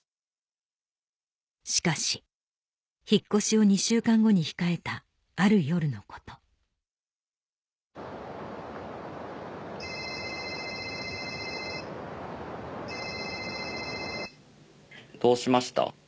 しかし引っ越しを２週間後に控えたある夜のことどうしました？